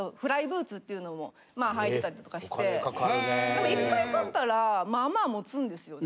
でも１回買ったらまあまあもつんですよね。